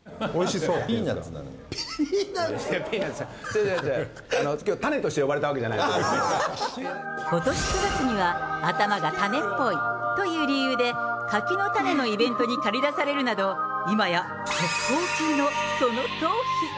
違う違う、きょう、種としてことし９月には、頭が種っぽいっていう理由で、柿の種のイベントに駆り出されるなど、今や国宝級のその頭皮。